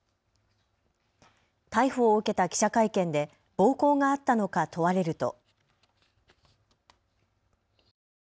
逮捕を受けた記者会見で暴行があったのか問われると。